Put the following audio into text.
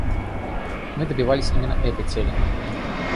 Мы добивались именно этой цели.